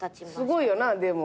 すごいよなでも。